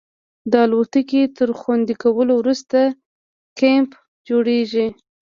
د الوتکې تر خوندي کولو وروسته کیمپ جوړیږي